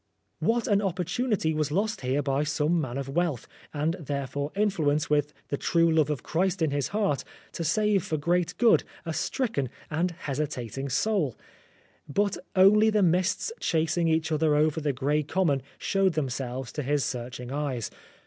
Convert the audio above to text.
What an opportunity was lost here by some man of wealth, and therefore influence, with the true love of Christ in his heart, to save for great good a stricken and hesi tating soul ! But only the mists chasing each other over the grey common showed themselves to his searching eyes.